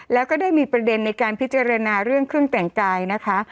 แล้วก็ได้มีประเด็นในการพิจารณาเรื่องเครื่องแต่งกายนะคะ